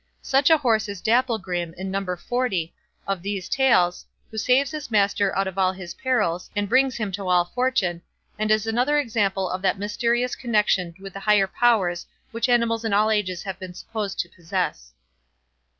Such a horse is Dapplegrim in No. xl, of these tales, who saves his master out of all his perils, and brings him to all fortune, and is another example of that mysterious connection with the higher powers which animals in all ages have been supposed to possess.